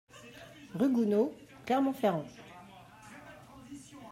Rue Gonod, Clermont-Ferrand